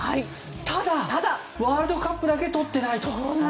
ただ、ワールドカップだけ取ってないと。